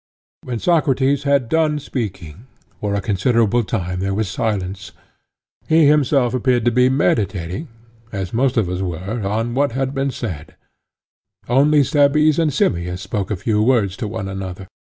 When Socrates had done speaking, for a considerable time there was silence; he himself appeared to be meditating, as most of us were, on what had been said; only Cebes and Simmias spoke a few words to one another.